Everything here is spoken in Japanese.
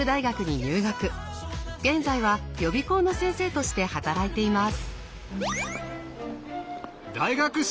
現在は予備校の先生として働いています。